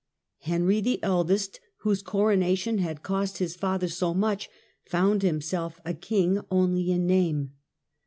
Henry, the eldest, whose coronation had cost his father so much, found himself a king only in name.